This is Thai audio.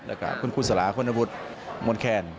แล้วคุณคุณสลาดข้อหน้าวุฒิมนต์แค้น